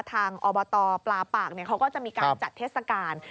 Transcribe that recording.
อบตปลาปากเขาก็จะมีการจัดเทศกาล